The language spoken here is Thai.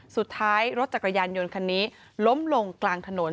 สุดท้ายรถจักรยานยนต์คันนี้ล้มลงกลางถนน